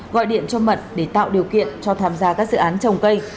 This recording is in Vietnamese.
gọi điện cho mận để tạo điều kiện cho tham gia các dự án trồng cây